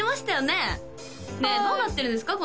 ねえどうなってるんですか？